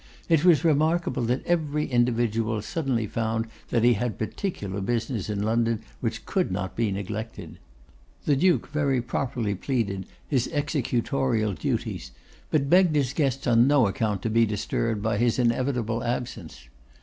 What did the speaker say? It was remarkable that every individual suddenly found that he had particular business in London which could not be neglected. The Duke very properly pleaded his executorial duties; but begged his guests on no account to be disturbed by his inevitable absence.